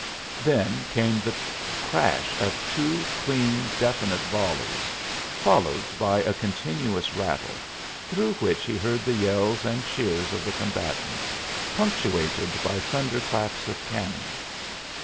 Then came the crash of two clean, definite volleys, followed by a continuous rattle, through which he heard the yells and cheers of the combatants, punctuated by thunderclaps of cannon.